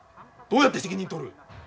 どうやって責任取る？